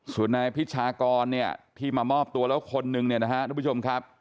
ส่วนนายพิชากรเนี่ยที่มามอบตัวแล้วคนนึงเนี่ยนะฮะทุกผู้ชมครับ